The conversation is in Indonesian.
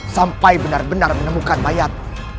sampai benar benar menemukan mayat